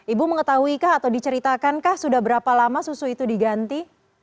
ibu mengetahui kah atau diceritakan kah sudah berapa lama susu itu diganti